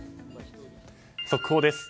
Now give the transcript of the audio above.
速報です。